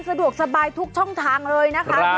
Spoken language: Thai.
สะดวกสบายทุกช่องทางเลยนะคะ